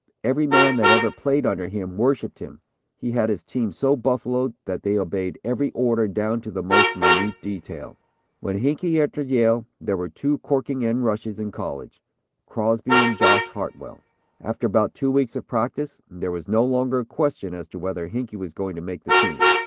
Every man that ever played under him worshipped him. He had his team so buffaloed that they obeyed every order, down to the most minute detail. "When Hinkey entered Yale, there were two corking end rushes in college, Crosby and Josh Hartwell. After about two weeks of practice, there was no longer a question as to whether Hinkey was going to make the team.